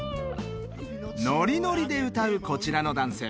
ノリノリで歌うこちらの男性